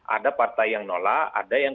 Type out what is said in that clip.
ada partai yang nolak ada yang